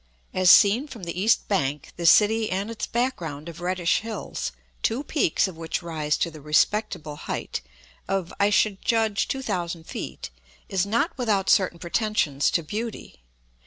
As seen from the east bank, the city and its background of reddish hills, two peaks of which rise to the respectable height of, I should judge, two thousand feet, is not without certain pretensions to beauty.